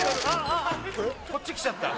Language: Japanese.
こっち来ちゃった